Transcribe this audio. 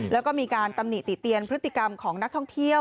แล้วก็มีการตำหนิติเตียนพฤติกรรมของนักท่องเที่ยว